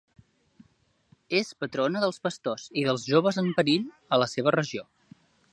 És patrona dels pastors i dels joves en perill, a la seva regió.